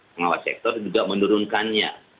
pengawas sektor juga menurunkannya